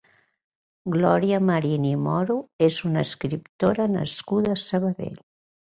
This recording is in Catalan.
Glòria Marín i Moro és una escriptora nascuda a Sabadell.